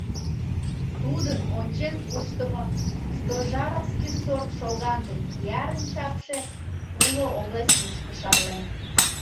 Тудын ончен-куштымо стожаровский сорт шоган ден киярын чапше уло область мучко шарлен.